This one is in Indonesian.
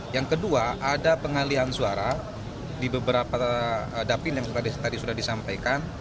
yang kedua ada pengalian suara di beberapa dapil yang tadi sudah disampaikan